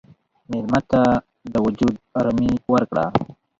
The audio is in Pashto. مېلمه ته د وجود ارامي ورکړه.